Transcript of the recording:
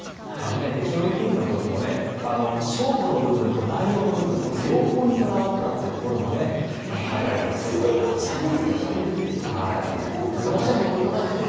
北京オリンピックの時も勝負の部分と内容の部分両方にこだわったところもハイライトなどでよく見られました。